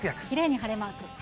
きれいに晴れマーク。